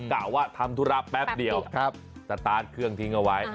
กล่าวว่าทำธุระแป๊บเดียวสตาร์ทเครื่องทิ้งเอาไว้